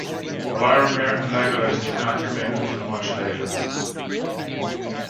Boromir and Legolas did not come in until much later.